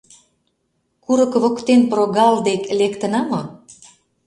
Курык воктен прогал дек лектына мо?